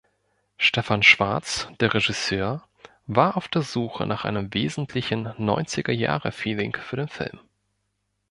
Stefan Schwartz, der Regisseur, war auf der Suche nach einem wesentlichen Neunzigerjahre-Feeling für den Film.